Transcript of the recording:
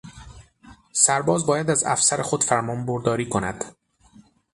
سرباز باید از افسر خود فرمانبرداری کند.